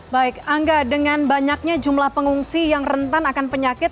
baik angga dengan banyaknya jumlah pengungsi yang rentan akan penyakit